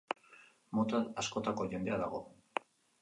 Mota askotako jendea dago.